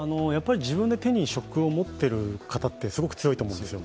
自分で手に職を持っている方って、すごく強いと思うんですよ。